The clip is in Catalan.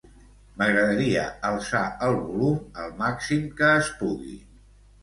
M'agradaria alçar el volum al màxim que es pugui.